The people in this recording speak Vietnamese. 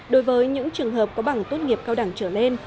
đối với những trường hợp có bằng tốt nghiệp cao đẳng trở lên